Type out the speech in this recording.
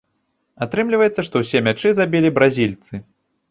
Атрымліваецца, што ўсе мячы забілі бразільцы.